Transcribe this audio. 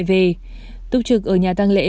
về túc trực ở nhà tăng lễ